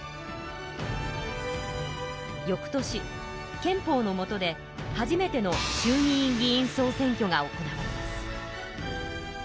よく年憲法のもとで初めての衆議院議員総選挙が行われます。